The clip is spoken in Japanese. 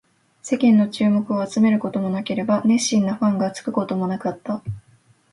世間の注目を集めることもなければ、熱心なファンがつくこともなかった